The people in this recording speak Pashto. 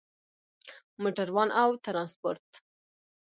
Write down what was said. موټروان او ترانسپورت